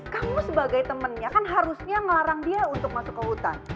kamu sebagai temennya kan harusnya ngelarang dia untuk masuk ke hutan